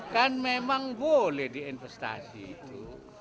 kan memang boleh diinvestasi itu